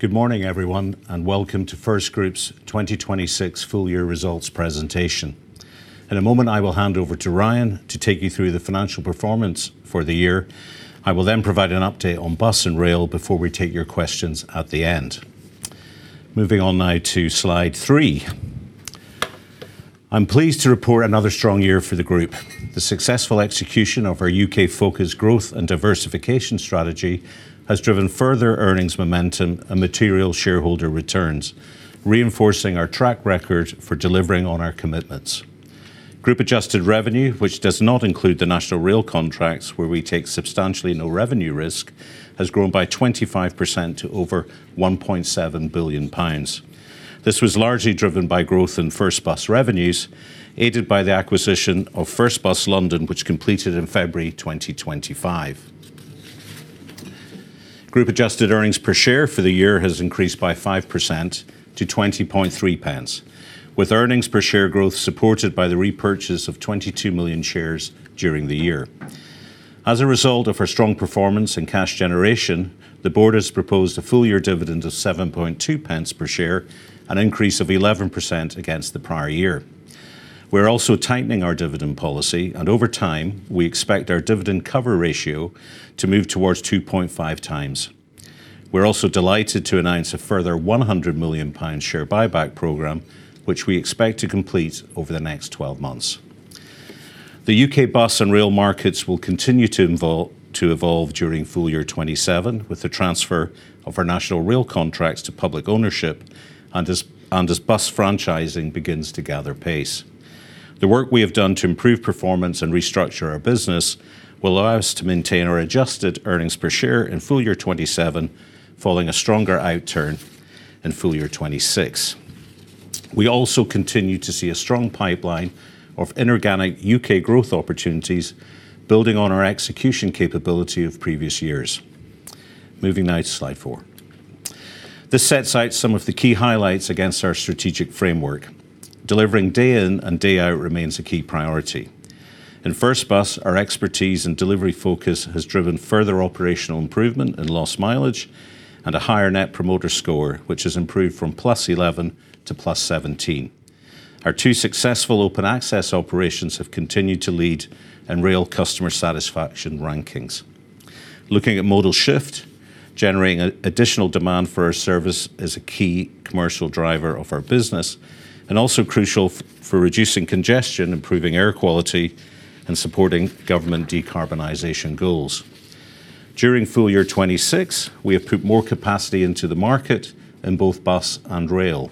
Good morning, everyone, and welcome to FirstGroup's 2026 full year results presentation. In a moment, I will hand over to Ryan to take you through the financial performance for the year. I will then provide an update on bus and rail before we take your questions at the end. Moving on now to slide three. I'm pleased to report another strong year for the group. The successful execution of our U.K.-focused growth and diversification strategy has driven further earnings momentum and material shareholder returns, reinforcing our track record for delivering on our commitments. Group adjusted revenue, which does not include the National Rail contracts where we take substantially no revenue risk, has grown by 25% to over 1.7 billion pounds. This was largely driven by growth in First Bus revenues, aided by the acquisition of First Bus London, which completed in February 2025. Group adjusted earnings per share for the year has increased by 5% to 0.203, with earnings per share growth supported by the repurchase of 22 million shares during the year. As a result of our strong performance and cash generation, the board has proposed a full-year dividend of 0.072 per share, an increase of 11% against the prior year. We are also tightening our dividend policy, and over time, we expect our dividend cover ratio to move towards 2.5x. We are also delighted to announce a further 100 million pound share buyback program, which we expect to complete over the next 12 months. The U.K. bus and rail markets will continue to evolve during full year 2027 with the transfer of our National Rail contracts to public ownership and as bus franchising begins to gather pace. The work we have done to improve performance and restructure our business will allow us to maintain our adjusted earnings per share in full year 2027, following a stronger outturn in full year 2026. We also continue to see a strong pipeline of inorganic U.K. growth opportunities, building on our execution capability of previous years. Moving now to slide four. This sets out some of the key highlights against our strategic framework. Delivering day in and day out remains a key priority. In First Bus, our expertise and delivery focus has driven further operational improvement in lost mileage and a higher Net Promoter Score, which has improved from +11 to +17. Our two successful open access operations have continued to lead in rail customer satisfaction rankings. Looking at modal shift, generating additional demand for our service is a key commercial driver of our business and also crucial for reducing congestion, improving air quality, and supporting government decarbonization goals. During full year 2026, we have put more capacity into the market in both bus and rail.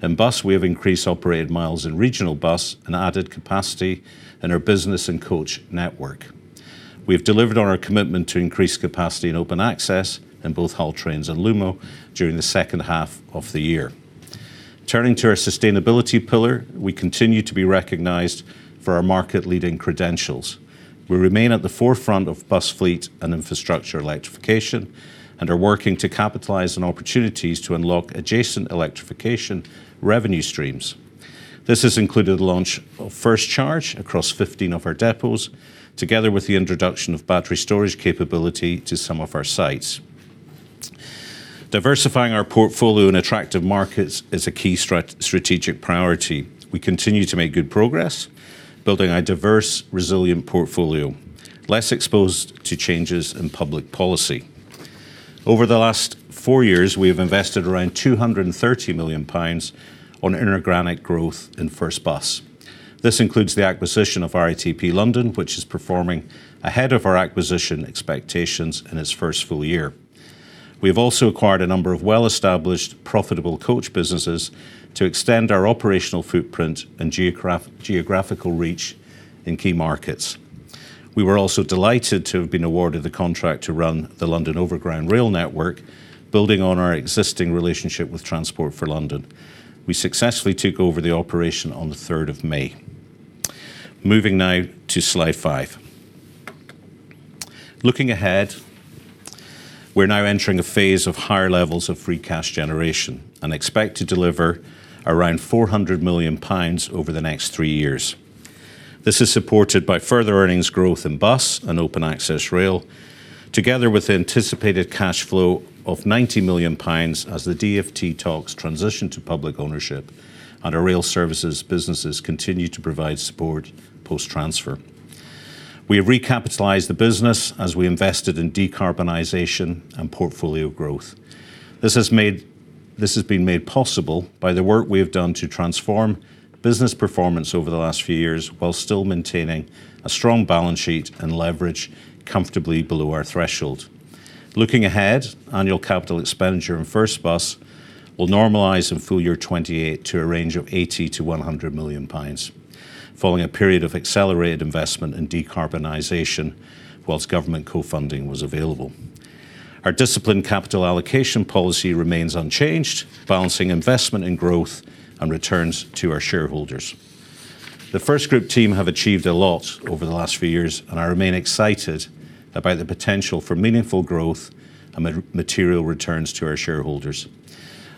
In bus, we have increased operated miles in regional bus and added capacity in our business and coach network. We have delivered on our commitment to increase capacity in open access in both Hull Trains and Lumo during the second half of the year. Turning to our sustainability pillar, we continue to be recognized for our market-leading credentials. We remain at the forefront of bus fleet and infrastructure electrification and are working to capitalize on opportunities to unlock adjacent electrification revenue streams. This has included the launch of First Charge across 15 of our depots, together with the introduction of battery storage capability to some of our sites. Diversifying our portfolio in attractive markets is a key strategic priority. We continue to make good progress building a diverse, resilient portfolio, less exposed to changes in public policy. Over the last four years, we have invested around 230 million pounds on inorganic growth in First Bus. This includes the acquisition of RATP London, which is performing ahead of our acquisition expectations in its first full year. We have also acquired a number of well-established profitable coach businesses to extend our operational footprint and geographical reach in key markets. We were also delighted to have been awarded the contract to run the London Overground rail network, building on our existing relationship with Transport for London. We successfully took over the operation on the 3rd of May. Moving now to slide five. Looking ahead, we are now entering a phase of higher levels of free cash generation and expect to deliver around 400 million pounds over the next three years. This is supported by further earnings growth in Bus and open access rail, together with anticipated cash flow of 90 million pounds as the DfT TOCs transition to public ownership and our rail services businesses continue to provide support post-transfer. We have recapitalized the business as we invested in decarbonization and portfolio growth. This has been made possible by the work we have done to transform business performance over the last few years while still maintaining a strong balance sheet and leverage comfortably below our threshold. Looking ahead, annual capital expenditure in First Bus will normalize in full year 2028 to a range of 80 million-100 million pounds, following a period of accelerated investment in decarbonization whilst government co-funding was available. Our disciplined capital allocation policy remains unchanged, balancing investment in growth and returns to our shareholders. The FirstGroup team have achieved a lot over the last few years, and I remain excited about the potential for meaningful growth and material returns to our shareholders.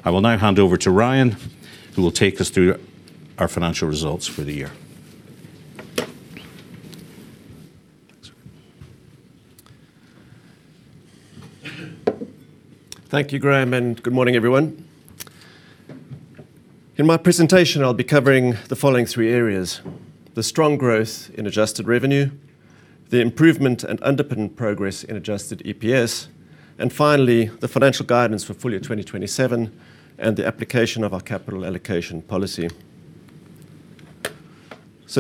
I will now hand over to Ryan, who will take us through our financial results for the year Thank you, Graham, and good morning, everyone. In my presentation, I'll be covering the following three areas: the strong growth in adjusted revenue, the improvement and underpinning progress in adjusted EPS, and finally, the financial guidance for full-year 2027 and the application of our capital allocation policy.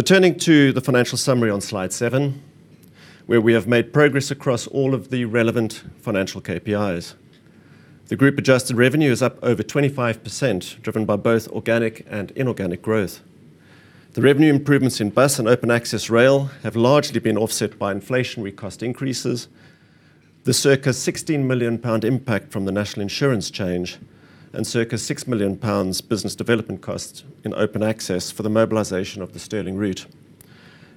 Turning to the financial summary on slide seven, where we have made progress across all of the relevant financial KPIs. The group adjusted revenue is up over 25%, driven by both organic and inorganic growth. The revenue improvements in Bus and open access rail have largely been offset by inflationary cost increases, the circa 16 million pound impact from the National Insurance change, and circa 6 million pounds business development costs in open access for the mobilization of the Stirling route,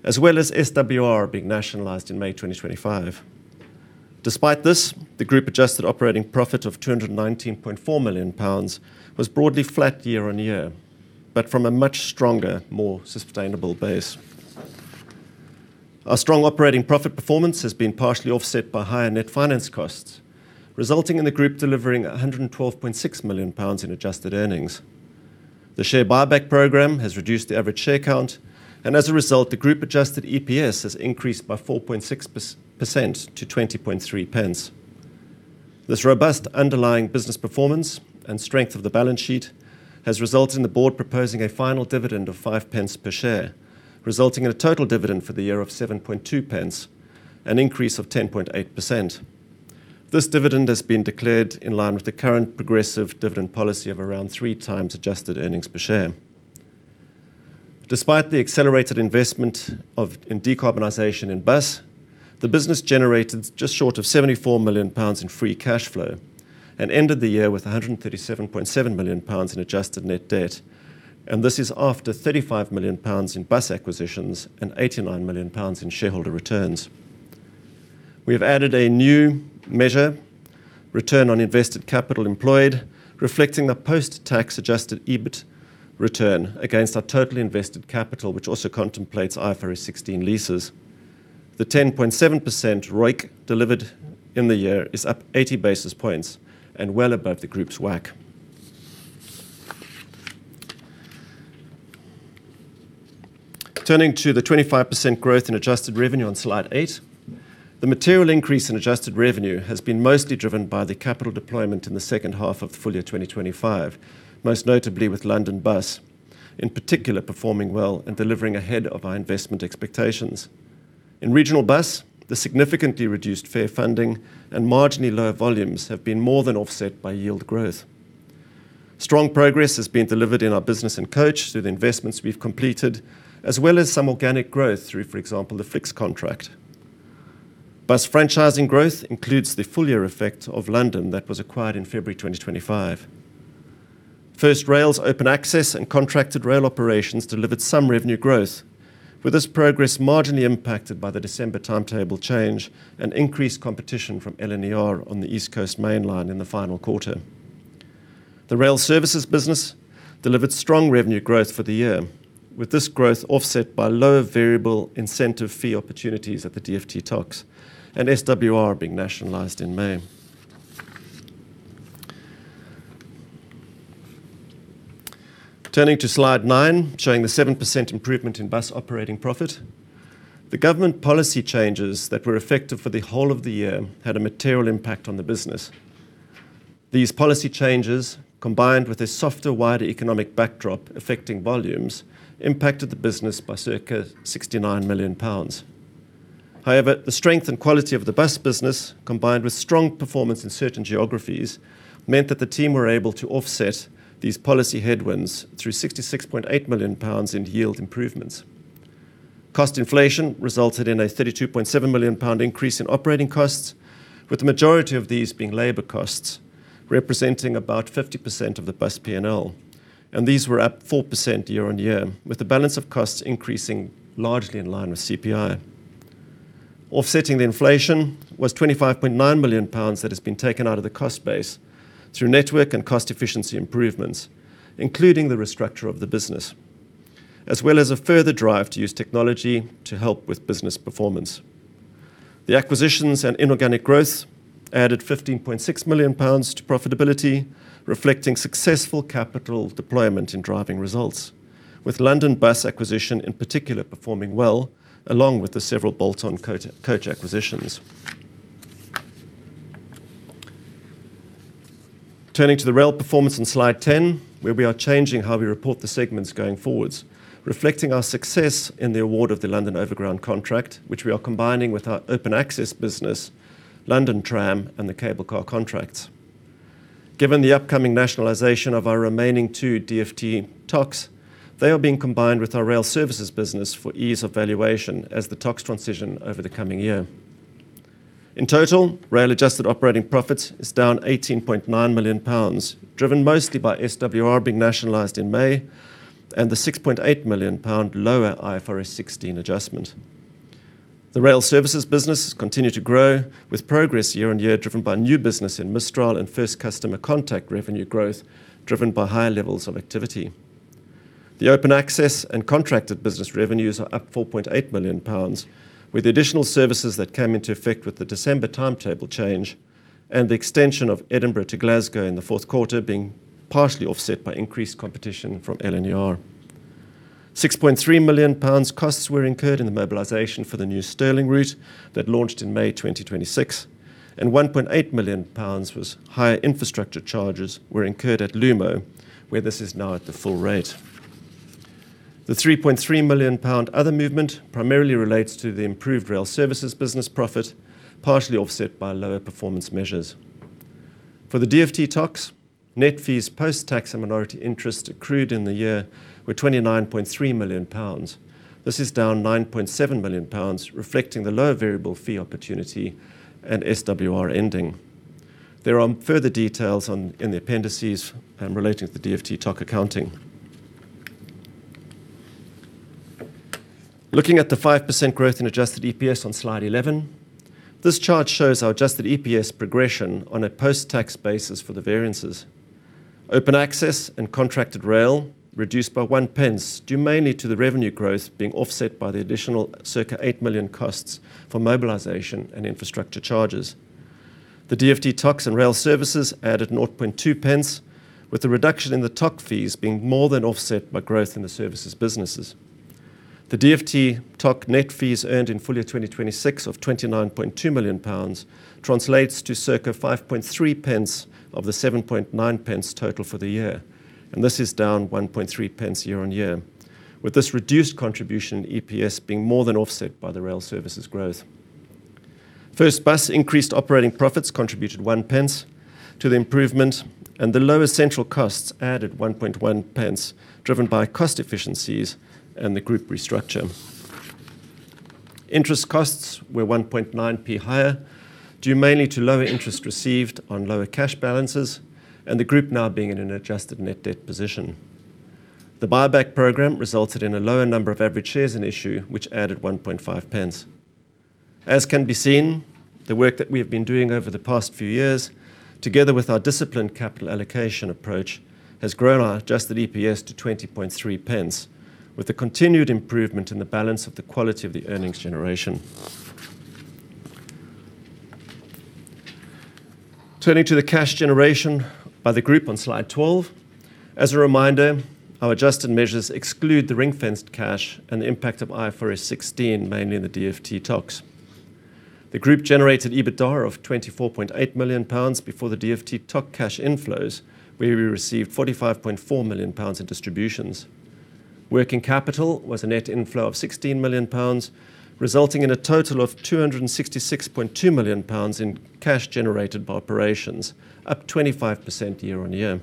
as well as SWR being nationalized in May 2025. Despite this, the group adjusted operating profit of 219.4 million pounds was broadly flat year on year, but from a much stronger, more sustainable base. Our strong operating profit performance has been partially offset by higher net finance costs, resulting in the group delivering 112.6 million pounds in adjusted earnings. The share buyback program has reduced the average share count, and as a result, the group adjusted EPS has increased by 4.6% to 0.203. This robust underlying business performance and strength of the balance sheet has resulted in the board proposing a final dividend of 0.05 per share, resulting in a total dividend for the year of 0.072, an increase of 10.8%. This dividend has been declared in line with the current progressive dividend policy of around 3x adjusted earnings per share. Despite the accelerated investment in decarbonization in Bus, the business generated just short of 74 million pounds in free cash flow and ended the year with 137.7 million pounds in adjusted net debt, and this is after 35 million pounds in Bus acquisitions and 89 million pounds in shareholder returns. We have added a new measure, return on invested capital employed, reflecting the post-tax adjusted EBIT return against our total invested capital, which also contemplates IFRS 16 leases. The 10.7% ROIC delivered in the year is up 80 basis points and well above the group's WACC. Turning to the 25% growth in adjusted revenue on slide eight. The material increase in adjusted revenue has been mostly driven by the capital deployment in the second half of the full year 2025, most notably with London Bus, in particular, performing well and delivering ahead of our investment expectations. In regional Bus, the significantly reduced fare funding and marginally lower volumes have been more than offset by yield growth. Strong progress has been delivered in our business and coach through the investments we've completed, as well as some organic growth through, for example, the Flix contract. Bus franchising growth includes the full-year effect of London that was acquired in February 2025. First Rail's Open Access and contracted rail operations delivered some revenue growth, with this progress marginally impacted by the December timetable change and increased competition from LNER on the East Coast Main Line in the final quarter. The rail services business delivered strong revenue growth for the year, with this growth offset by lower variable incentive fee opportunities at the DfT TOCs and SWR being nationalized in May. Turning to slide nine, showing the 7% improvement in Bus operating profit. The government policy changes that were effective for the whole of the year had a material impact on the business. These policy changes, combined with a softer, wider economic backdrop affecting volumes, impacted the business by circa 69 million pounds. However, the strength and quality of the Bus business, combined with strong performance in certain geographies, meant that the team were able to offset these policy headwinds through 66.8 million pounds in yield improvements. Cost inflation resulted in a 32.7 million pound increase in operating costs, with the majority of these being labor costs, representing about 50% of the Bus P&L, and these were up 4% year-on-year, with the balance of costs increasing largely in line with CPI. Offsetting the inflation was 25.9 million pounds that has been taken out of the cost base through network and cost efficiency improvements, including the restructure of the business, as well as a further drive to use technology to help with business performance. The acquisitions and inorganic growth added 15.6 million pounds to profitability, reflecting successful capital deployment in driving results, with London bus acquisition in particular performing well, along with the several bolt-on Coach acquisitions. Turning to the rail performance on slide 10, where we are changing how we report the segments going forwards, reflecting our success in the award of the London Overground contract, which we are combining with our Open Access business, London Trams, and the cable car contracts. Given the upcoming nationalization of our remaining two DfT TOCs, they are being combined with our rail services business for ease of valuation as the TOCs transition over the coming year. In total, rail adjusted operating profit is down 18.9 million pounds, driven mostly by SWR being nationalized in May and the 6.8 million pound lower IFRS 16 adjustment. The rail services business has continued to grow with progress year-on-year, driven by new business in Mistral and First Customer Contact revenue growth, driven by higher levels of activity. The open access and contracted business revenues are up 4.8 million pounds, with additional services that came into effect with the December timetable change and the extension of Edinburgh to Glasgow in the fourth quarter being partially offset by increased competition from LNER. 6.3 million pounds costs were incurred in the mobilization for the new Stirling route that launched in May 2026, and 1.8 million pounds was higher infrastructure charges were incurred at Lumo, where this is now at the full rate. The 3.3 million pound other movement primarily relates to the improved rail services business profit, partially offset by lower performance measures. For the DfT TOCs, net fees post-tax and minority interest accrued in the year were 29.3 million pounds. This is down 9.7 million pounds, reflecting the lower variable fee opportunity and SWR ending. There are further details in the appendices relating to the DfT TOC accounting. Looking at the 5% growth in adjusted EPS on slide 11, this chart shows our adjusted EPS progression on a post-tax basis for the variances. Open access and contracted rail reduced by 0.01, due mainly to the revenue growth being offset by the additional circa 8 million costs for mobilization and infrastructure charges. The DfT TOCs and rail services added 0.002, with the reduction in the TOC fees being more than offset by growth in the services businesses. The DfT TOC net fees earned in full year 2026 of 29.2 million pounds translates to circa 0.053 of the 0.079 total for the year, and this is down 0.013 year-on-year, with this reduced contribution in EPS being more than offset by the rail services growth. First Bus increased operating profits contributed 0.01 to the improvement, and the lower central costs added 0.011, driven by cost efficiencies and the group restructure. Interest costs were 0.019 higher, due mainly to lower interest received on lower cash balances and the group now being in an adjusted net debt position. The buyback program resulted in a lower number of average shares in issue, which added 0.015. As can be seen, the work that we have been doing over the past few years, together with our disciplined capital allocation approach, has grown our adjusted EPS to 0.203, with a continued improvement in the balance of the quality of the earnings generation. Turning to the cash generation by the group on slide 12. As a reminder, our adjusted measures exclude the ring-fenced cash and the impact of IFRS 16, mainly in the DfT TOCs. The group generated EBITDA of 24.8 million pounds before the DfT TOC cash inflows, where we received 45.4 million pounds in distributions. Working capital was a net inflow of 16 million pounds, resulting in a total of 266.2 million pounds in cash generated by operations, up 25% year-on-year.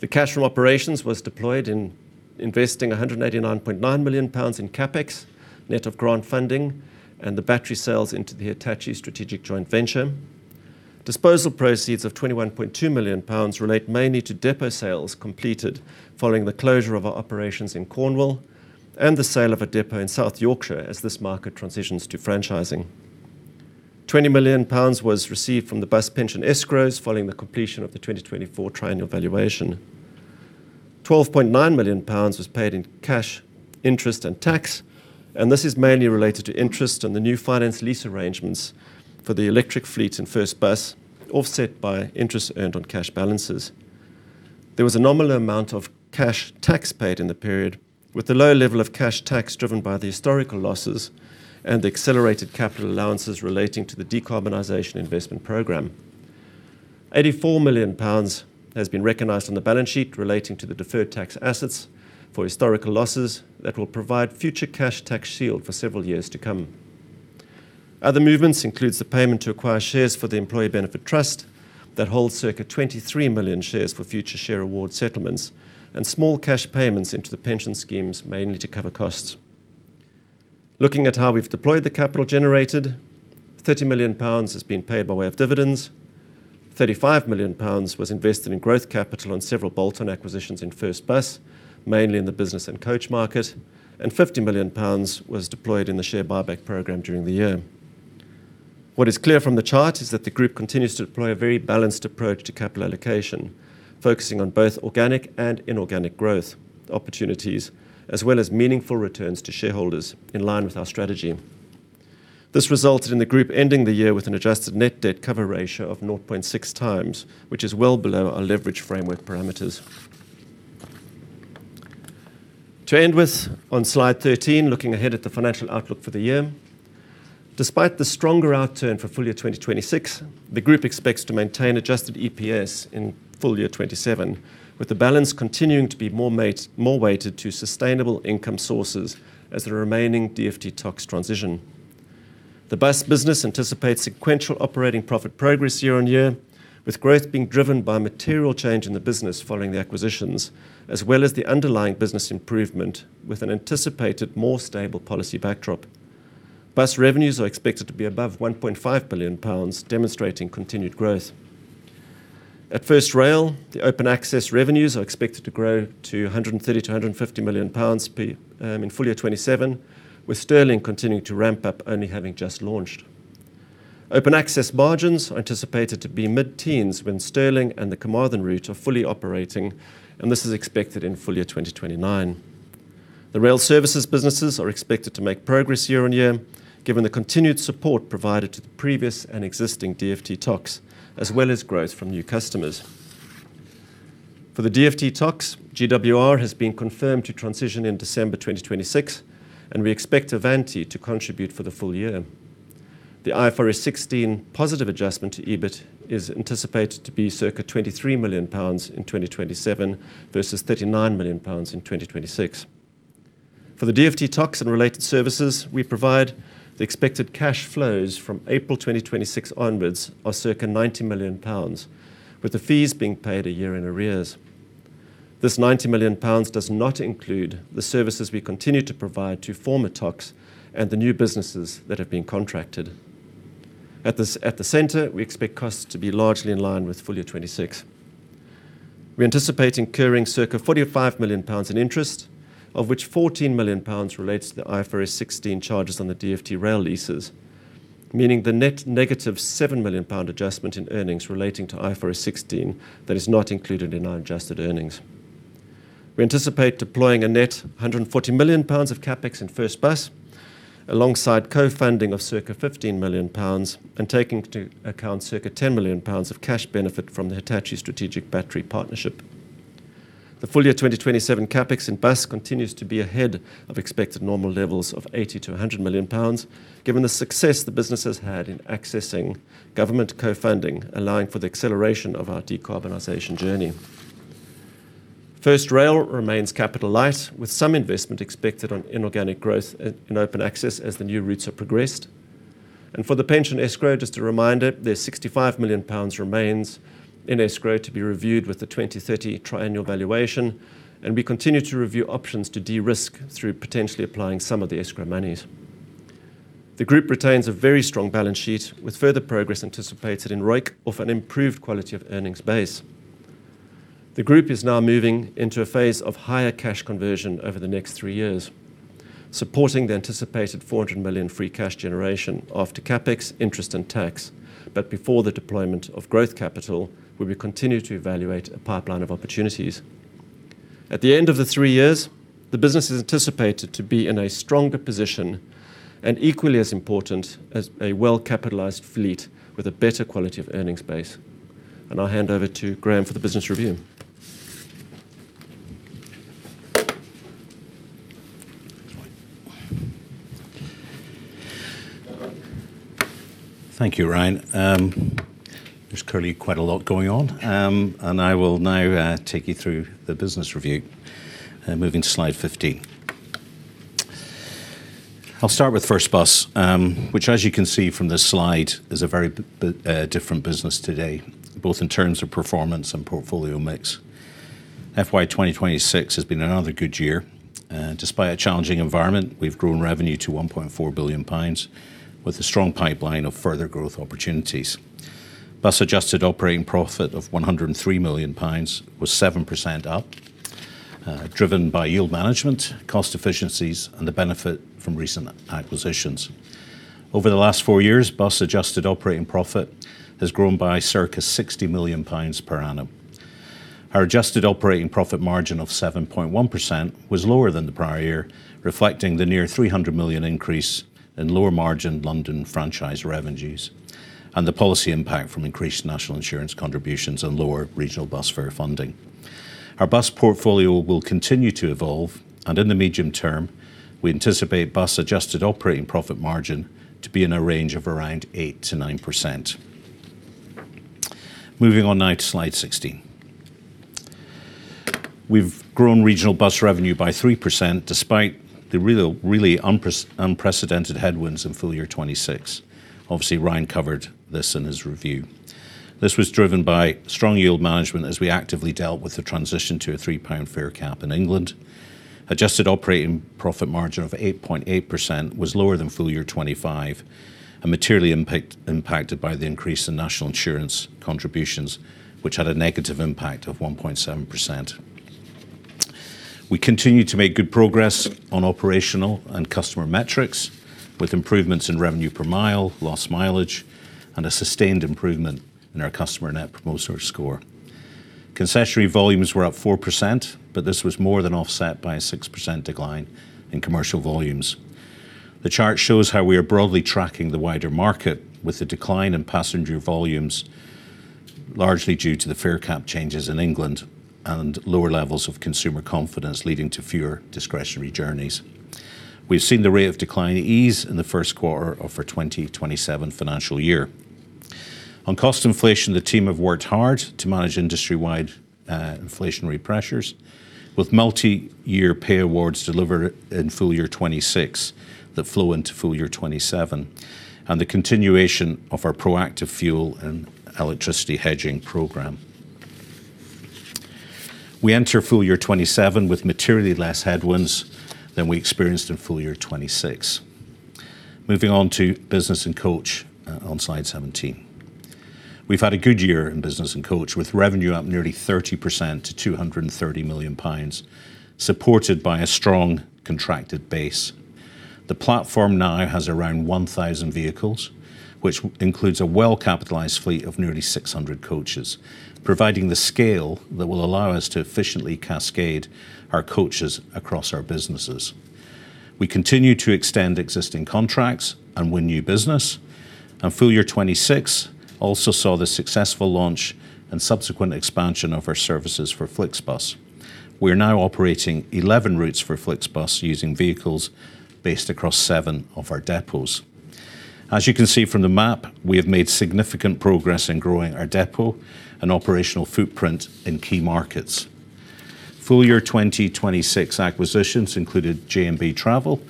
The cash from operations was deployed in investing 189.9 million pounds in CapEx, net of grant funding, and the battery sales into the Hitachi strategic joint venture. Disposal proceeds of 21.2 million pounds relate mainly to depot sales completed following the closure of our operations in Cornwall and the sale of a depot in South Yorkshire as this market transitions to franchising. 20 million pounds was received from the bus pension escrows following the completion of the 2024 triennial valuation. 12.9 million pounds was paid in cash interest and tax, and this is mainly related to interest on the new finance lease arrangements for the electric fleet and First Bus, offset by interest earned on cash balances. There was a nominal amount of cash tax paid in the period, with the low level of cash tax driven by the historical losses and the accelerated capital allowances relating to the decarbonization investment program. 84 million pounds has been recognized on the balance sheet relating to the deferred tax assets for historical losses that will provide future cash tax shield for several years to come. Other movements includes the payment to acquire shares for the employee benefit trust that holds circa 23 million shares for future share award settlements and small cash payments into the pension schemes, mainly to cover costs. Looking at how we've deployed the capital generated, 30 million pounds has been paid by way of dividends, 35 million pounds was invested in growth capital and several bolt-on acquisitions in First Bus, mainly in the business and coach market, and 50 million pounds was deployed in the share buyback program during the year. What is clear from the chart is that the group continues to deploy a very balanced approach to capital allocation, focusing on both organic and inorganic growth opportunities as well as meaningful returns to shareholders in line with our strategy. This resulted in the group ending the year with an adjusted net debt cover ratio of 0.6x, which is well below our leverage framework parameters. To end with, on slide 13, looking ahead at the financial outlook for the year. Despite the stronger outturn for full year 2026, the group expects to maintain adjusted EPS in FY 2027, with the balance continuing to be more weighted to sustainable income sources as the remaining DfT TOCs transition. The bus business anticipates sequential operating profit progress year-on-year, with growth being driven by material change in the business following the acquisitions as well as the underlying business improvement with an anticipated more stable policy backdrop. Bus revenues are expected to be above 1.5 billion pounds demonstrating continued growth. At First Rail, the open access revenues are expected to grow to 130 million-150 million pounds in full-year 2027, with Stirling continuing to ramp up only having just launched. Open access margins are anticipated to be mid-teens when Stirling and the Carmarthen route are fully operating, and this is expected in full-year 2029. The rail services businesses are expected to make progress year-on-year, given the continued support provided to the previous and existing DfT TOCs, as well as growth from new customers. For the DfT TOCs, GWR has been confirmed to transition in December 2026, and we expect Avanti to contribute for the full-year. The IFRS 16 positive adjustment to EBIT is anticipated to be circa 23 million pounds in 2027 versus 39 million pounds in 2026. For the DfT TOCs and related services we provide, the expected cash flows from April 2026 onwards are circa 90 million pounds, with the fees being paid a year in arrears. This 90 million pounds does not include the services we continue to provide to former TOCs and the new businesses that have been contracted. At the center, we expect costs to be largely in line with full-year 2026. We anticipate incurring circa 45 million pounds in interest, of which 14 million pounds relates to the IFRS 16 charges on the DfT rail leases, meaning the net -7 million pound adjustment in earnings relating to IFRS 16 that is not included in our adjusted earnings. We anticipate deploying a net 140 million pounds of CapEx in First Bus, alongside co-funding of circa 15 million pounds and taking into account circa 10 million pounds of cash benefit from the Hitachi strategic battery partnership. The full-year 2027 CapEx in Bus continues to be ahead of expected normal levels of 80 million-100 million pounds, given the success the business has had in accessing government co-funding, allowing for the acceleration of our decarbonization journey. First Rail remains capital light, with some investment expected on inorganic growth in open access as the new routes are progressed. For the pension escrow, just a reminder, the 65 million pounds remains in escrow to be reviewed with the 2030 triennial valuation, and we continue to review options to de-risk through potentially applying some of the escrow monies. The group retains a very strong balance sheet, with further progress anticipated in ROIC off an improved quality of earnings base. The group is now moving into a phase of higher cash conversion over the next three years, supporting the anticipated 400 million free cash generation after CapEx, interest, and tax. Before the deployment of growth capital, where we continue to evaluate a pipeline of opportunities. At the end of the three years, the business is anticipated to be in a stronger position, and equally as important, as a well-capitalized fleet with a better quality of earnings base. I'll hand over to Graham for the business review. Thank you, Ryan. There's currently quite a lot going on. I will now take you through the business review. Moving to slide 15. I'll start with First Bus, which, as you can see from this slide, is a very different business today, both in terms of performance and portfolio mix. FY 2026 has been another good year. Despite a challenging environment, we've grown revenue to 1.4 billion pounds with a strong pipeline of further growth opportunities. Bus adjusted operating profit of 103 million pounds was 7% up, driven by yield management, cost efficiencies, and the benefit from recent acquisitions. Over the last four years, Bus adjusted operating profit has grown by circa 60 million pounds per annum. Our adjusted operating profit margin of 7.1% was lower than the prior year, reflecting the near 300 million increase in lower-margin London franchise revenues and the policy impact from increased national insurance contributions and lower regional bus fare funding. Our bus portfolio will continue to evolve. In the medium term, we anticipate Bus adjusted operating profit margin to be in a range of around 8%-9%. Moving on now to slide 16. We've grown regional bus revenue by 3%, despite the really unprecedented headwinds in full-year 2026. Obviously, Ryan covered this in his review. This was driven by strong yield management as we actively dealt with the transition to a 3 pound fare cap in England. Adjusted operating profit margin of 8.8% was lower than full-year 2025 and materially impacted by the increase in national insurance contributions, which had a negative impact of 1.7%. We continue to make good progress on operational and customer metrics, with improvements in revenue per mile, lost mileage, and a sustained improvement in our Customer Net Promoter Score. Concessionary volumes were up 4%. This was more than offset by a 6% decline in commercial volumes. The chart shows how we are broadly tracking the wider market, with the decline in passenger volumes largely due to the fare cap changes in England and lower levels of consumer confidence leading to fewer discretionary journeys. We've seen the rate of decline ease in the first quarter of our 2027 financial year. On cost inflation, the team have worked hard to manage industry-wide inflationary pressures, with multi-year pay awards delivered in full-year 2026 that flow into full-year 2027. The continuation of our proactive fuel and electricity hedging program. We enter full-year 2027 with materially less headwinds than we experienced in full-year 2026. Moving on to business and coach on slide 17. We've had a good year in business in coach, with revenue up nearly 30% to 230 million pounds, supported by a strong contracted base. The platform now has around 1,000 vehicles, which includes a well-capitalized fleet of nearly 600 coaches, providing the scale that will allow us to efficiently cascade our coaches across our businesses. We continue to extend existing contracts and win new business. Full year 2026 also saw the successful launch and subsequent expansion of our services for FlixBus. We are now operating 11 routes for FlixBus, using vehicles based across seven of our depots. As you can see from the map, we have made significant progress in growing our depot and operational footprint in key markets. Full year 2026 acquisitions included J&B Travel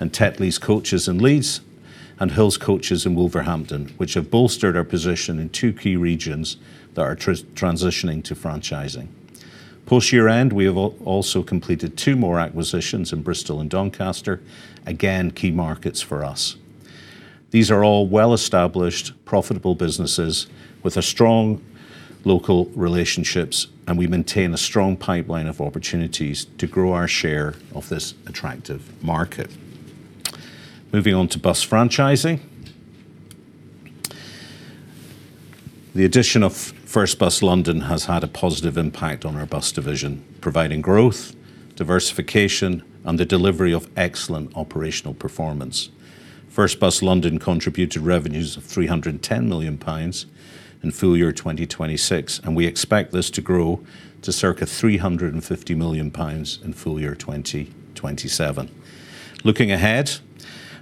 and Tetley's Coaches in Leeds and Hills Coaches in Wolverhampton, which have bolstered our position in two key regions that are transitioning to franchising. Post year-end, we have also completed two more acquisitions in Bristol and Doncaster, again, key markets for us. These are all well-established, profitable businesses with strong local relationships, and we maintain a strong pipeline of opportunities to grow our share of this attractive market. Moving on to bus franchising. The addition of First Bus London has had a positive impact on our bus division, providing growth, diversification, and the delivery of excellent operational performance. First Bus London contributed revenues of GBP 310 million in full year 2026, and we expect this to grow to circa GBP 350 million in full year 2027. Looking ahead,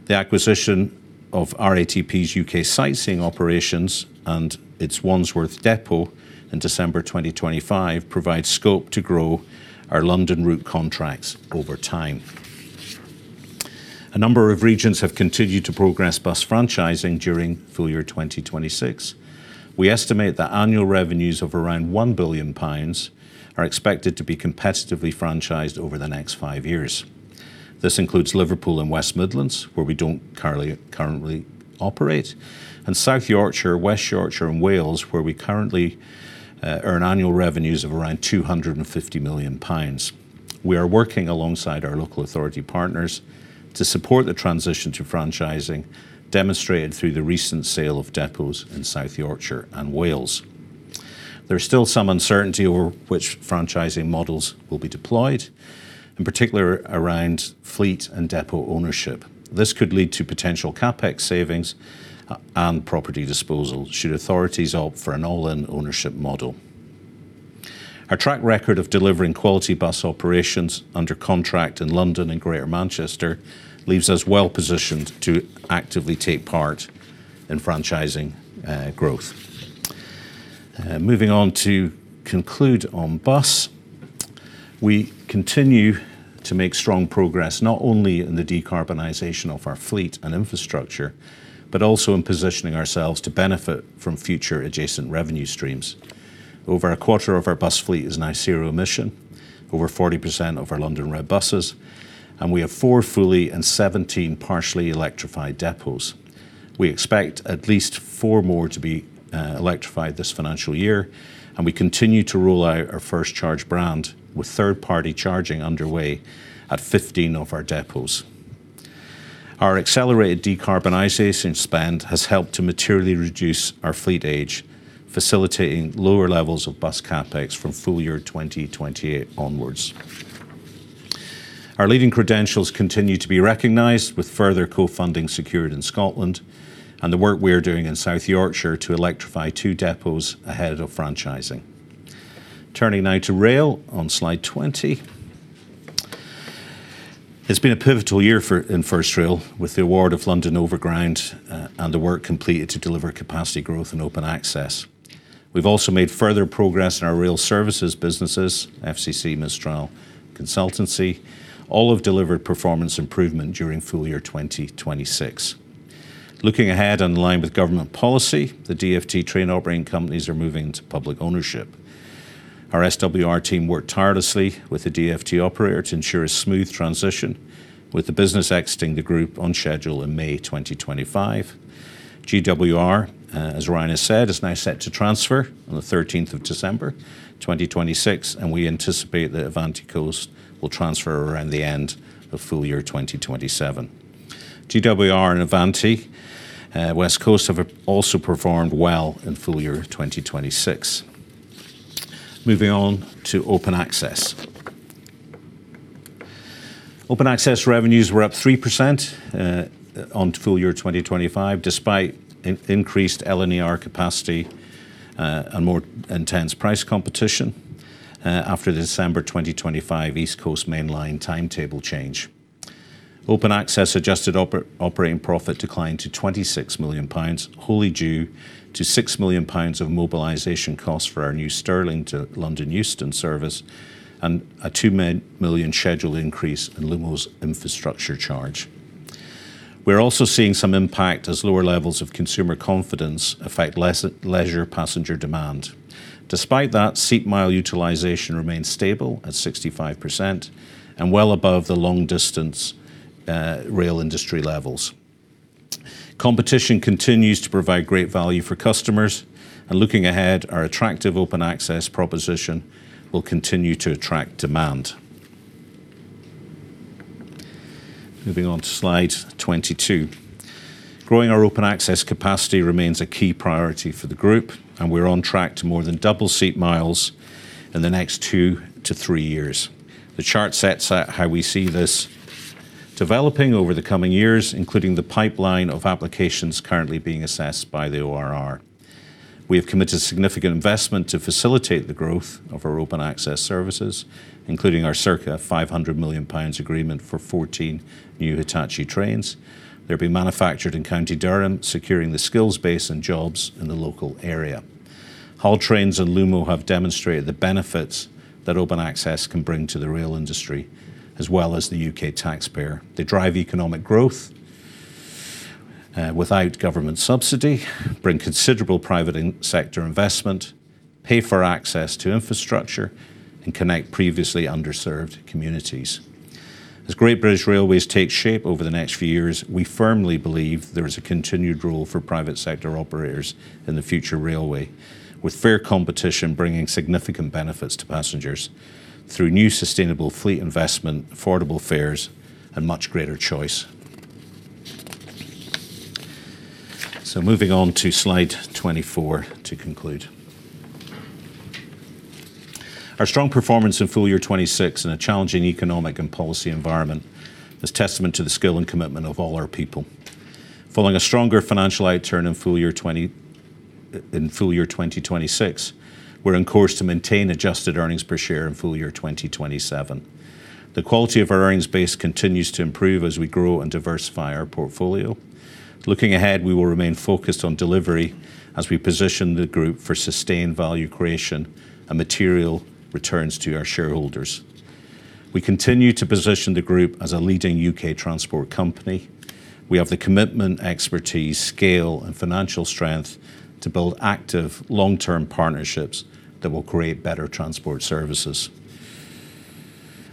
the acquisition of RATP's U.K. sightseeing operations and its Wandsworth depot in December 2025 provides scope to grow our London route contracts over time. A number of regions have continued to progress bus franchising during full year 2026. We estimate that annual revenues of around 1 billion pounds are expected to be competitively franchised over the next five years. This includes Liverpool and West Midlands, where we don't currently operate, and South Yorkshire, West Yorkshire, and Wales, where we currently earn annual revenues of around 250 million pounds. We are working alongside our local authority partners to support the transition to franchising, demonstrated through the recent sale of depots in South Yorkshire and Wales. There is still some uncertainty over which franchising models will be deployed, in particular around fleet and depot ownership. This could lead to potential CapEx savings and property disposals should authorities opt for an all-in ownership model. Our track record of delivering quality bus operations under contract in London and Greater Manchester leaves us well-positioned to actively take part in franchising growth. Moving on to conclude on bus. We continue to make strong progress not only in the decarbonization of our fleet and infrastructure, but also in positioning ourselves to benefit from future adjacent revenue streams. Over a quarter of our bus fleet is now zero emission, over 40% of our London red buses, and we have four fully and 17 partially electrified depots. We expect at least four more to be electrified this financial year, and we continue to roll out our First Charge brand, with third-party charging underway at 15 of our depots. Our accelerated decarbonization spend has helped to materially reduce our fleet age, facilitating lower levels of bus CapEx from full year 2028 onwards. Our leading credentials continue to be recognized, with further co-funding secured in Scotland and the work we are doing in South Yorkshire to electrify two depots ahead of franchising. Turning now to rail on slide 20. It's been a pivotal year in First Rail, with the award of London Overground and the work completed to deliver capacity growth and open access. We've also made further progress in our rail services businesses, FCC, Mistral, Consultancy, all have delivered performance improvement during full year 2026. Looking ahead and in line with government policy, the DfT train operating companies are moving to public ownership. Our SWR team worked tirelessly with the DfT operator to ensure a smooth transition, with the business exiting the group on schedule in May 2025. GWR, as Ryan has said, is now set to transfer on the 13th of December 2026, and we anticipate that Avanti West Coast will transfer around the end of FY 2027. GWR and Avanti West Coast have also performed well in FY 2026. Moving on to Open Access. Open Access revenues were up 3% on FY 2025 despite increased LNER capacity and more intense price competition after the December 2025 East Coast Main Line timetable change. Open Access adjusted operating profit declined to 26 million pounds, wholly due to 6 million pounds of mobilization costs for our new Stirling to London Euston service and a 2 million scheduled increase in Lumo's infrastructure charge. We are also seeing some impact as lower levels of consumer confidence affect leisure passenger demand. Despite that, seat mile utilization remains stable at 65% and well above the long-distance rail industry levels. Competition continues to provide great value for customers. Looking ahead, our attractive Open Access proposition will continue to attract demand. Moving on to slide 22. Growing our Open Access capacity remains a key priority for the group, and we're on track to more than double seat miles in the next two to three years. The chart sets out how we see this developing over the coming years, including the pipeline of applications currently being assessed by the ORR. We have committed significant investment to facilitate the growth of our Open Access services, including our circa 500 million pounds agreement for 14 new Hitachi trains. They'll be manufactured in County Durham, securing the skills base and jobs in the local area. Hull Trains and Lumo have demonstrated the benefits that Open Access can bring to the rail industry, as well as the U.K. taxpayer. They drive economic growth without government subsidy, bring considerable private sector investment, pay for access to infrastructure, and connect previously underserved communities. As Great British Railways takes shape over the next few years, we firmly believe there is a continued role for private sector operators in the future railway, with fair competition bringing significant benefits to passengers through new sustainable fleet investment, affordable fares, and much greater choice. Moving on to slide 24 to conclude. Our strong performance in FY 2026 in a challenging economic and policy environment is testament to the skill and commitment of all our people. Following a stronger financial outturn in FY 2026, we're on course to maintain adjusted earnings per share in FY 2027. The quality of our earnings base continues to improve as we grow and diversify our portfolio. Looking ahead, we will remain focused on delivery as we position the group for sustained value creation and material returns to our shareholders. We continue to position the group as a leading U.K. transport company. We have the commitment, expertise, scale, and financial strength to build active long-term partnerships that will create better transport services.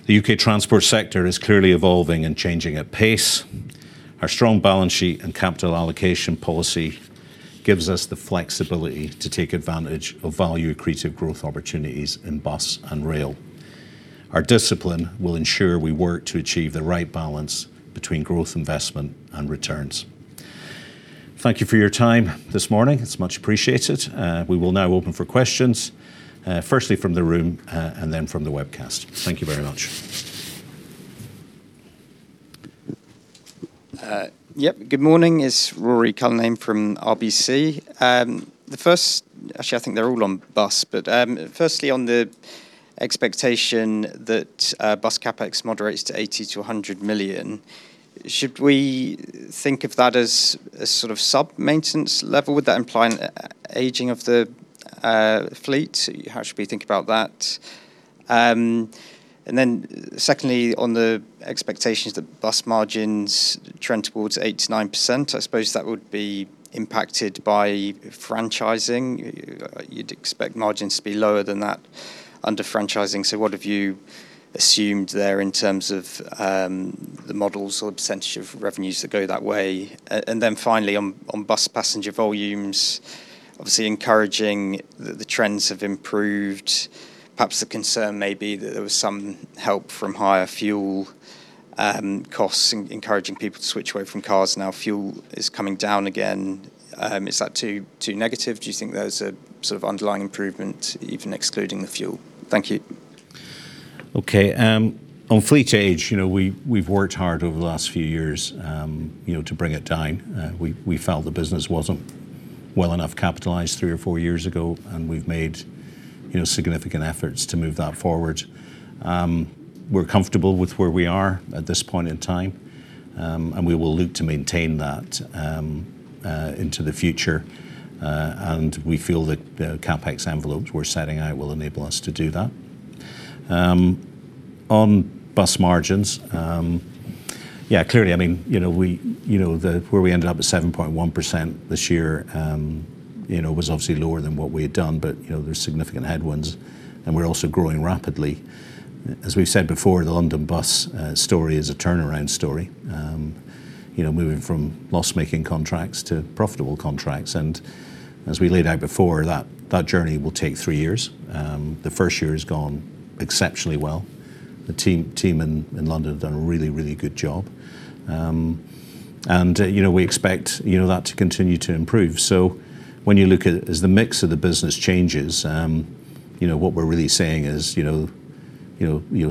The U.K. transport sector is clearly evolving and changing at pace. Our strong balance sheet and capital allocation policy gives us the flexibility to take advantage of value-accretive growth opportunities in bus and rail. Our discipline will ensure we work to achieve the right balance between growth investment and returns. Thank you for your time this morning. It's much appreciated. We will now open for questions, firstly from the room, and then from the webcast. Thank you very much. Yep. Good morning. It's Ruairi Cullinane from RBC. Actually, I think they're all on bus. Firstly on the expectation that bus CapEx moderates to 80 million-100 million, should we think of that as a sort of sub-maintenance level? Would that imply an aging of the fleet? How should we think about that? Secondly, on the expectations that bus margins trend towards 8%-9%, I suppose that would be impacted by franchising. You'd expect margins to be lower than that under franchising, what have you assumed there in terms of the models or percentage of revenues that go that way? Finally on bus passenger volumes, obviously encouraging that the trends have improved. Perhaps the concern may be that there was some help from higher fuel costs in encouraging people to switch away from cars. Now fuel is coming down again. Is that too negative? Do you think there's a sort of underlying improvement even excluding the fuel? Thank you. Okay. On fleet age, we've worked hard over the last few years to bring it down. We felt the business wasn't well enough capitalized three or four years ago, we've made significant efforts to move that forward. We're comfortable with where we are at this point in time, we will look to maintain that into the future. We feel that the CapEx envelopes we're setting out will enable us to do that. On bus margins, yeah, clearly, where we ended up at 7.1% this year was obviously lower than what we had done. There's significant headwinds, we're also growing rapidly. As we've said before, the London Bus story is a turnaround story. Moving from loss-making contracts to profitable contracts. As we laid out before, that journey will take three years. The first year has gone exceptionally well. The team in London have done a really, really good job. We expect that to continue to improve. When you look at it, as the mix of the business changes, what we're really saying is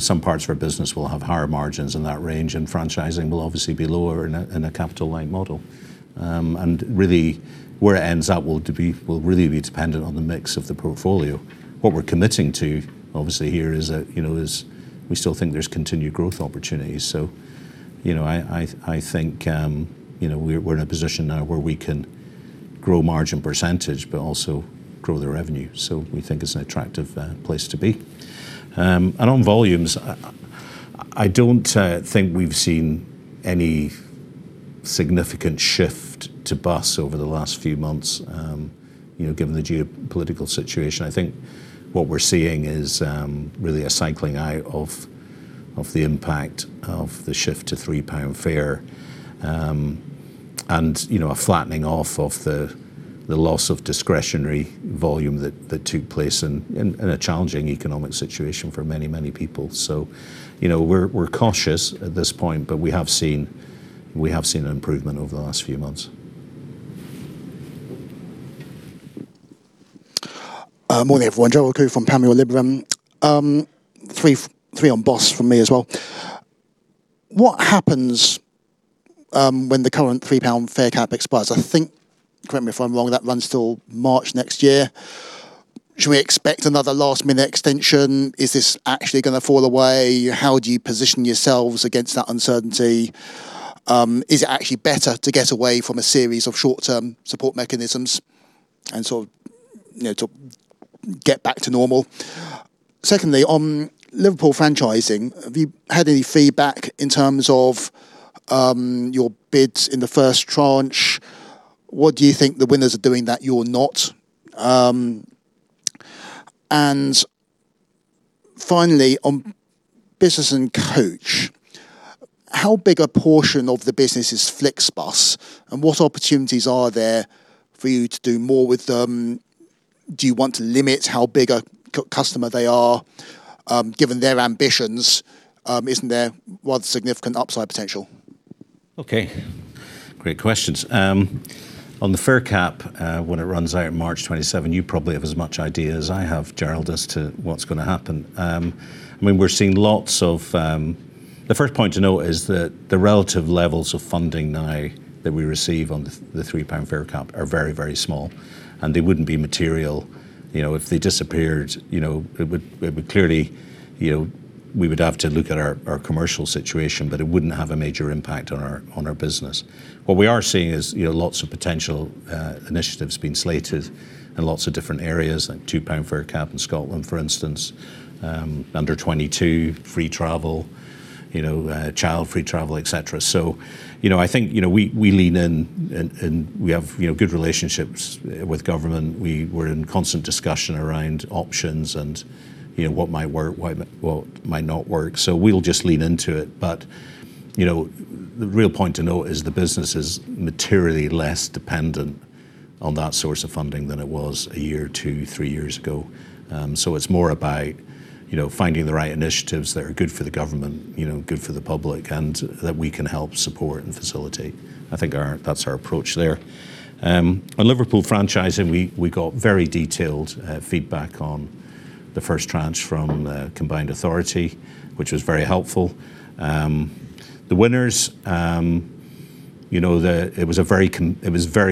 some parts of our business will have higher margins in that range, franchising will obviously be lower in a capital light model. Really where it ends up will really be dependent on the mix of the portfolio. What we're committing to, obviously here, is that we still think there's continued growth opportunities. I think we're in a position now where we can grow margin percentage, also grow the revenue. We think it's an attractive place to be. On volumes, I don't think we've seen any significant shift to bus over the last few months given the geopolitical situation. I think what we're seeing is really a cycling out of the impact of the shift to 3 pound fare, and a flattening off of the loss of discretionary volume that took place in a challenging economic situation for many people. We're cautious at this point, but we have seen an improvement over the last few months. Morning, everyone. Gerald Khoo from Panmure Liberum. Three on bus from me as well. What happens when the current 3 pound fare cap expires? I think, correct me if I'm wrong, that runs till March 2025. Should we expect another last-minute extension? Is this actually going to fall away? How do you position yourselves against that uncertainty? Is it actually better to get away from a series of short-term support mechanisms and sort of to get back to normal? Secondly, on Liverpool franchising, have you had any feedback in terms of your bids in the first tranche? What do you think the winners are doing that you're not? Finally, on business and coach, how big a portion of the business is FlixBus? What opportunities are there for you to do more with them? Do you want to limit how big a customer they are? Given their ambitions, isn't there one significant upside potential? Okay. Great questions. On the fare cap, when it runs out March 2027, you probably have as much idea as I have, Gerald, as to what's going to happen. The first point to note is that the relative levels of funding now that we receive on the 3 pound fare cap are very small, and they wouldn't be material. If they disappeared, clearly, we would have to look at our commercial situation, but it wouldn't have a major impact on our business. What we are seeing is lots of potential initiatives being slated in lots of different areas, like 2 pound fare cap in Scotland, for instance, under 22 free travel, child free travel, et cetera. I think we lean in and we have good relationships with government. We're in constant discussion around options and what might work, what might not work. We'll just lean into it. The real point to note is the business is materially less dependent on that source of funding than it was a year or two, three years ago. It's more about finding the right initiatives that are good for the government, good for the public, and that we can help support and facilitate. I think that's our approach there. On Liverpool franchising, we got very detailed feedback on the first tranche from the combined authority, which was very helpful. The winners, it was very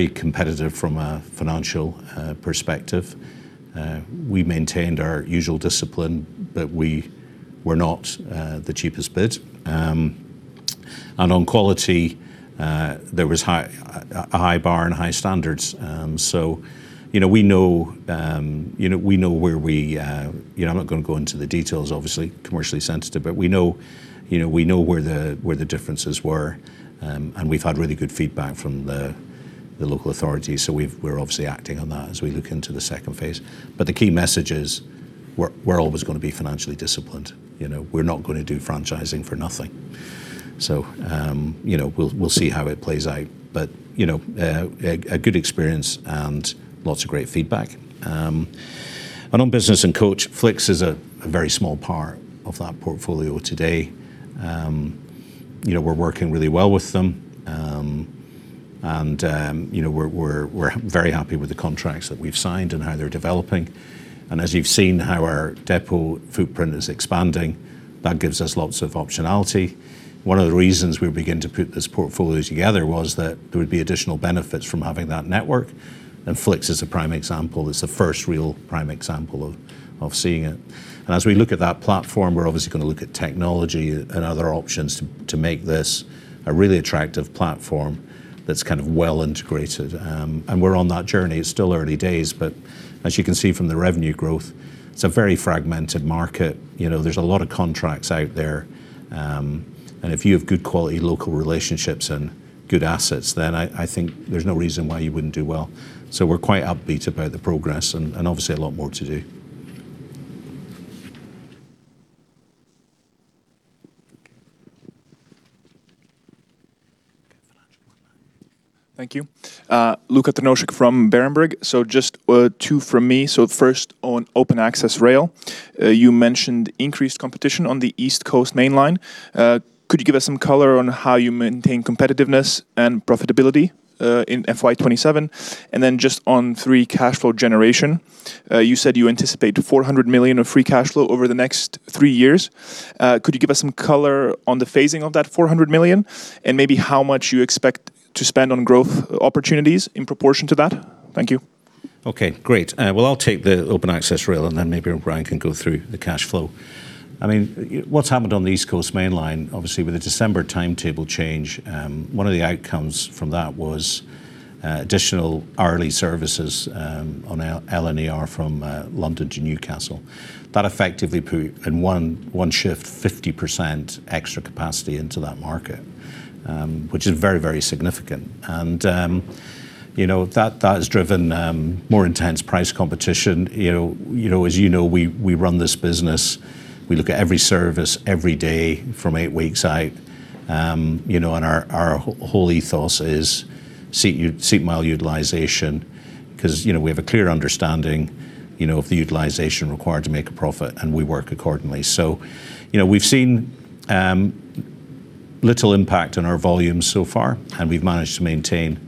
competitive from a financial perspective. We maintained our usual discipline, but we were not the cheapest bid. On quality, there was a high bar and high standards. I'm not going to go into the details, obviously, commercially sensitive, but we know where the differences were, and we've had really good feedback from the local authority. We're obviously acting on that as we look into the second phase. The key message is we're always going to be financially disciplined. We're not going to do franchising for nothing. We'll see how it plays out. A good experience and lots of great feedback. On business and coach, Flix is a very small part of that portfolio today. We're working really well with them. We're very happy with the contracts that we've signed and how they're developing. As you've seen how our depot footprint is expanding, that gives us lots of optionality. One of the reasons we began to put this portfolio together was that there would be additional benefits from having that network, and Flix is a prime example. It's the first real prime example of seeing it. As we look at that platform, we're obviously going to look at technology and other options to make this a really attractive platform that's kind of well integrated. We're on that journey. It's still early days, but as you can see from the revenue growth, it's a very fragmented market. There's a lot of contracts out there. If you have good quality local relationships and good assets, then I think there's no reason why you wouldn't do well. We're quite upbeat about the progress, and obviously a lot more to do. Thank you. Luka Trnovsek from Berenberg. Just two from me. First on open access rail. You mentioned increased competition on the East Coast Main Line. Could you give us some color on how you maintain competitiveness and profitability in FY 2027? Then just on free cash flow generation, you said you anticipate 400 million of free cash flow over the next three years. Could you give us some color on the phasing of that 400 million? Maybe how much you expect to spend on growth opportunities in proportion to that? Thank you. Okay. Great. I'll take the open access rail, then maybe Ryan can go through the cash flow. What's happened on the East Coast Main Line, obviously, with the December timetable change, one of the outcomes from that was additional hourly services on LNER from London to Newcastle. That effectively put in one shift, 50% extra capacity into that market, which is very, very significant. That has driven more intense price competition. As you know, we run this business, we look at every service every day from eight weeks out. Our whole ethos is seat mile utilization because we have a clear understanding of the utilization required to make a profit and we work accordingly. We've seen little impact on our volumes so far, and we've managed to maintain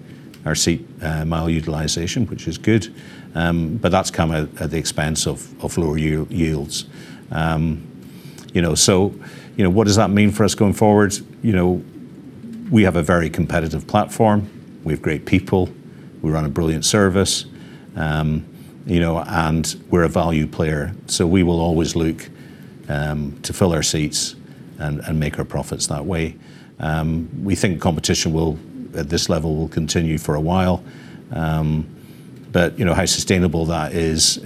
our seat mile utilization, which is good. That's come at the expense of lower yields. What does that mean for us going forward? We have a very competitive platform. We have great people. We run a brilliant service. We're a value player, we will always look to fill our seats and make our profits that way. We think competition at this level will continue for a while, how sustainable that is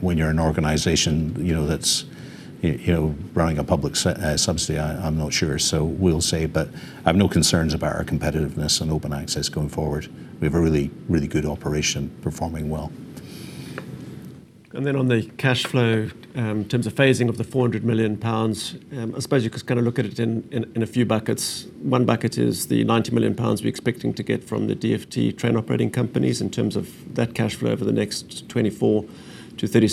when you're an organization that's running a public subsidy, I'm not sure. We'll see, I've no concerns about our competitiveness and open access going forward. We have a really good operation performing well. On the cash flow, in terms of phasing of the 400 million pounds, I suppose you could look at it in a few buckets. One bucket is the 90 million pounds we're expecting to get from the DfT train operating companies in terms of that cash flow over the next 24-36 months. As that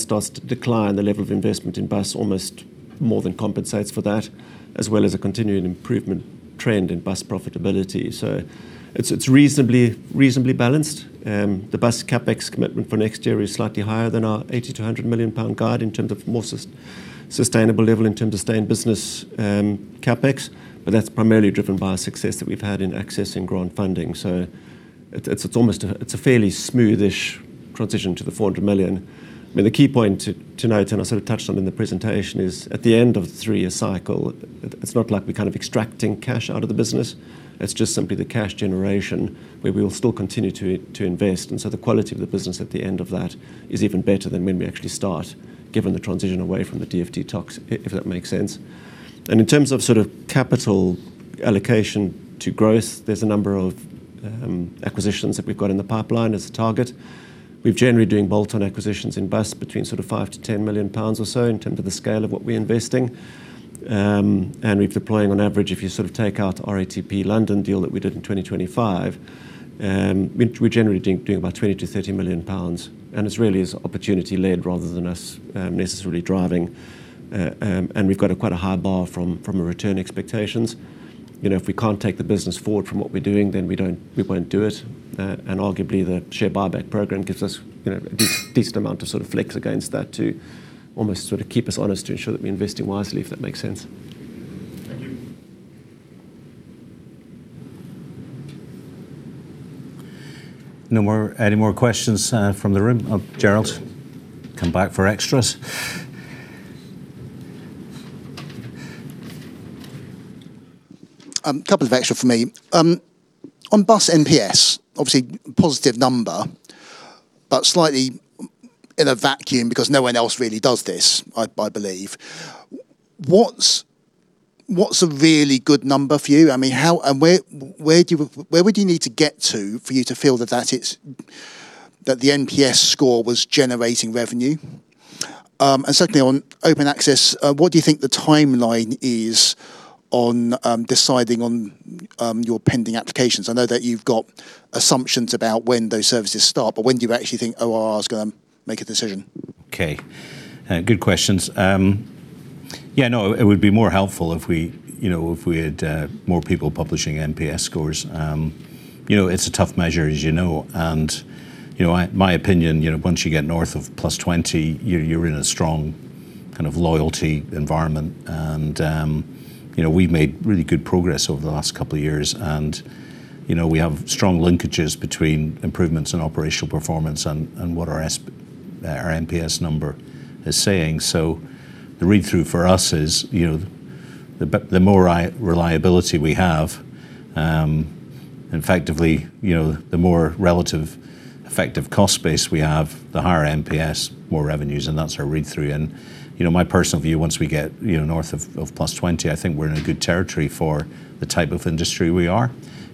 starts to decline, the level of investment in bus almost more than compensates for that, as well as a continuing improvement trend in bus profitability. It's reasonably balanced. The bus CapEx commitment for next year is slightly higher than our 80 million-100 million pound guide in terms of more sustainable level in terms of stay-in-business CapEx, that's primarily driven by our success that we've had in accessing grant funding. It's a fairly smooth-ish transition to the 400 million. The key point to note, I sort of touched on in the presentation, is at the end of the three-year cycle, it's not like we're extracting cash out of the business. It's just simply the cash generation, where we will still continue to invest, and so the quality of the business at the end of that is even better than when we actually start, given the transition away from the DfT TOCs, if that makes sense. In terms of capital allocation to growth, there's a number of acquisitions that we've got in the pipeline as a target. We're generally doing bolt-on acquisitions in bus between sort of 5 million-10 million pounds or so in terms of the scale of what we're investing. We're deploying on average, if you take out RATP London deal that we did in 2025, we're generally doing about 20 million-30 million pounds. It really is opportunity-led rather than us necessarily driving. We've got quite a high bar from a return expectations. If we can't take the business forward from what we're doing, then we won't do it. Arguably, the share buyback program gives us a decent amount of flex against that to almost keep us honest to ensure that we're investing wisely, if that makes sense. Thank you. Any more questions from the room of Gerald? Come back for extras. A couple of extra from me. On bus NPS, obviously positive number, but slightly in a vacuum because no one else really does this, I believe. What's a really good number for you? Where would you need to get to for you to feel that the NPS score was generating revenue? Secondly, on open access, what do you think the timeline is on deciding on your pending applications? I know that you've got assumptions about when those services start, but when do you actually think ORR is going to make a decision? Okay. Good questions. Yeah, no, it would be more helpful if we had more people publishing NPS scores. It's a tough measure, as you know. My opinion, once you get north of +20, you're in a strong kind of loyalty environment. We've made really good progress over the last couple of years. We have strong linkages between improvements in operational performance and what our NPS number is saying. The read-through for us is the more reliability we have, effectively the more relative effective cost base we have, the higher NPS, more revenues, and that's our read-through. My personal view, once we get north of +20, I think we're in a good territory for the type of industry we are,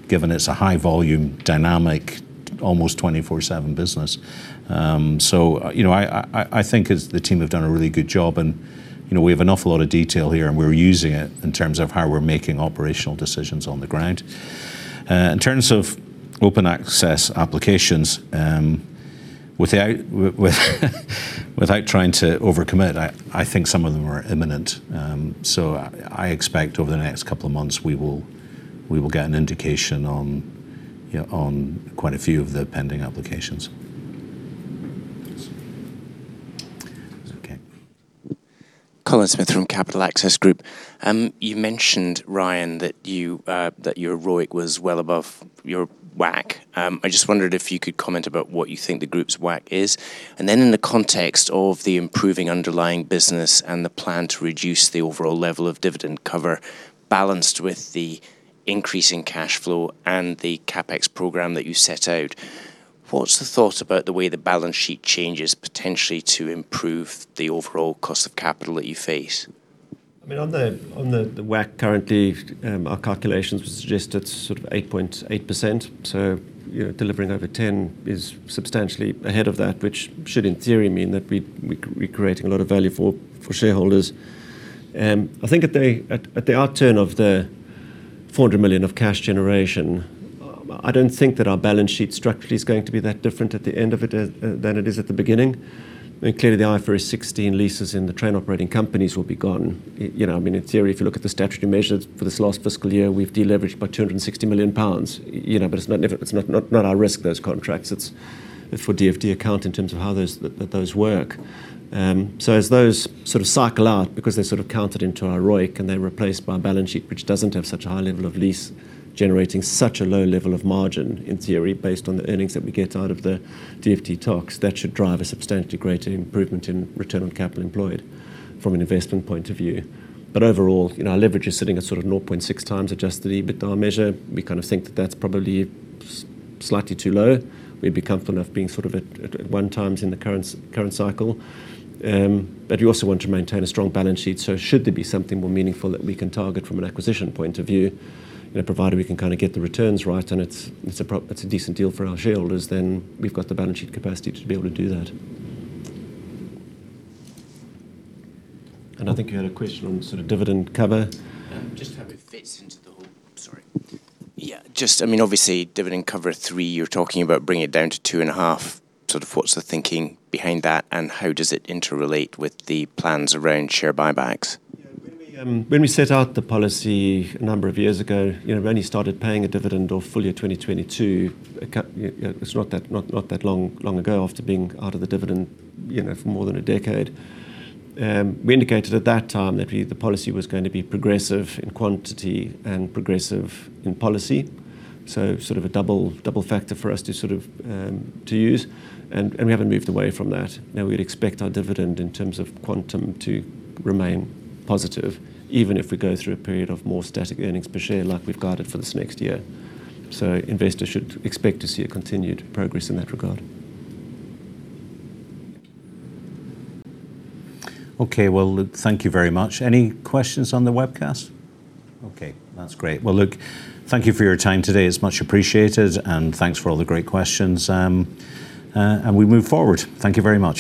given it's a high-volume, dynamic, almost 24/7 business. I think the team have done a really good job, and we have an awful lot of detail here, and we're using it in terms of how we're making operational decisions on the ground. In terms of open access applications, without trying to overcommit, I think some of them are imminent. I expect over the next couple of months, we will get an indication on quite a few of the pending applications. Okay. Colin Smith from Capital Access Group. You mentioned, Ryan, that your ROIC was well above your WACC. I just wondered if you could comment about what you think the group's WACC is. In the context of the improving underlying business and the plan to reduce the overall level of dividend cover balanced with the increasing cash flow and the CapEx program that you set out, what's the thought about the way the balance sheet changes potentially to improve the overall cost of capital that you face? On the WACC currently, our calculations would suggest it's sort of 8.8%, so delivering over 10 is substantially ahead of that, which should in theory mean that we're creating a lot of value for shareholders. I think at the outturn of the 400 million of cash generation. I don't think that our balance sheet structurally is going to be that different at the end of it than it is at the beginning. Clearly, the IFRS 16 leases in the train operating companies will be gone. In theory, if you look at the statutory measures for this last fiscal year, we've de-leveraged by 260 million pounds. It's not our risk, those contracts. It's for DfT account in terms of how those work. As those cycle out, because they're counted into our ROIC, and they're replaced by a balance sheet which doesn't have such a high level of lease generating such a low level of margin, in theory, based on the earnings that we get out of the DfT TOCs, that should drive a substantially greater improvement in return on capital employed from an investment point of view. Overall, our leverage is sitting at 0.6x adjusted EBITDA measure. We think that that's probably slightly too low. We'd be comfortable enough being at 1x in the current cycle. We also want to maintain a strong balance sheet, so should there be something more meaningful that we can target from an acquisition point of view, provided we can get the returns right and it's a decent deal for our shareholders, then we've got the balance sheet capacity to be able to do that. I think you had a question on dividend cover. Obviously, dividend cover of three, you're talking about bringing it down to 2.5. What's the thinking behind that, and how does it interrelate with the plans around share buybacks? When we set out the policy a number of years ago, we only started paying a dividend of full year 2022. It's not that long ago after being out of the dividend for more than a decade. We indicated at that time that the policy was going to be progressive in quantity and progressive in policy, so a double factor for us to use. We haven't moved away from that. We'd expect our dividend in terms of quantum to remain positive, even if we go through a period of more static EPS like we've guided for this next year. Investors should expect to see a continued progress in that regard. Okay. Well, thank you very much. Any questions on the webcast? Okay, that's great. Well, look, thank you for your time today. It's much appreciated, and thanks for all the great questions. We move forward. Thank you very much